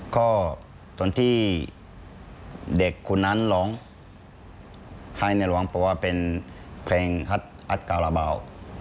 ก็ตอนที่เด็กคุณนั้นร้องให้ในหลวงเพราะว่าเป็นเพลงฮัศกรเบา